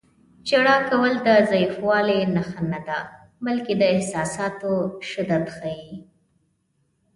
• ژړا کول د ضعیفوالي نښه نه ده، بلکې د احساساتو شدت ښيي.